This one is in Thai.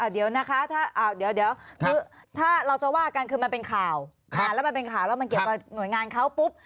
เดี๋ยวนะคะเดี๋ยวคือถ้าเราจะว่ากันคือมันเป็นข่าวแล้วมันเป็นข่าวแล้วมันเกี่ยวกับหน่วยงานเขาปุ๊บ